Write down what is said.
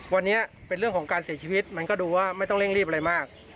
วันนี้เป็นเรื่องของการเสียชีวิตมันก็ดูว่าไม่ต้องเร่งรีบอะไรมาก